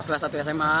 kelas satu sma